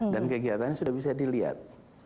dan kegiatannya sudah bisa dilihat